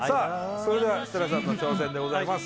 それでは設楽さんの挑戦でございます